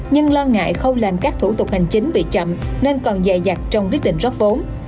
nhưng lo ngại khâu làm các thủ tục hành chính bị chậm nên còn dài dặt trong quyết định rót vốn